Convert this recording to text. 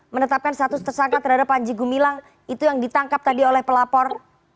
menetapkan status tersangka terhadap panji gumilang itu yang ditangkap tadi oleh pelapor